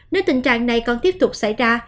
nếu tình trạng này còn tiếp tục xảy ra